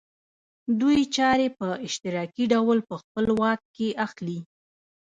دوی چارې په اشتراکي ډول په خپل واک کې اخلي